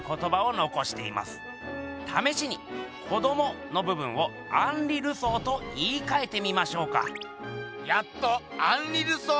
ためしに「子ども」の部分をアンリ・ルソーと言いかえてみましょうか？